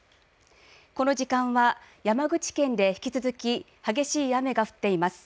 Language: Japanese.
この時間は山口県で引き続き激しい雨が降っています。